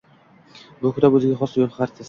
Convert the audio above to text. Bu kitob – o‘ziga xos yo‘l xaritasi